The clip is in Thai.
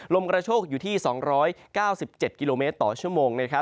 ลมกระโชกอยู่ที่๒๙๗กิโลเมตรต่อชั่วโมง